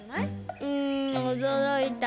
うんおどろいた。